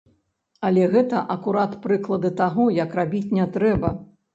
Але гэта акурат прыклады таго, як рабіць не трэба.